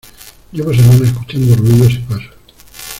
llevo semanas escuchando ruidos y pasos.